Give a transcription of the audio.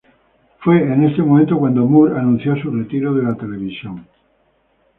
Fue en este momento cuando Moore anunció su retiro de la televisión.